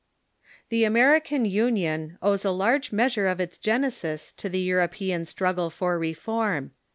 The American Union owes a large measure of its genesis to the European struggle for reform.